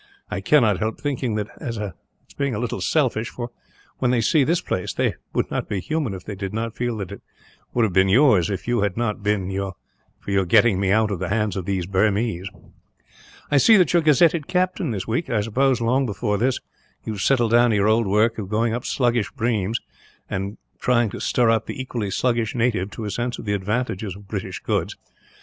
I cannot help thinking that it is a little selfish for, when they see this place, they would not be human if they did not feel that it would have been yours, if it had not been for your getting me out of the hands of those Burmese. "I see that you are gazetted captain, this week. I suppose, long before this, you have settled down to your old work of going up sluggish streams; and trying to stir up the equally sluggish native to a sense of the advantages of British goods.